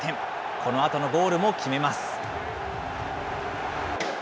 このあとのゴールも決めます。